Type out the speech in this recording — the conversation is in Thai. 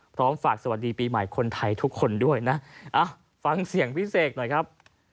พร้อมฝากสวัสดีปีใหม่คนไทยทุกคนด้วยนะฟังเสียงพี่เสกหน่อยครับ